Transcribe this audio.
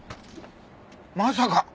まさか！